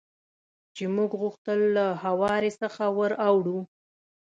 چې موږ غوښتل له هوارې څخه ور اوړو.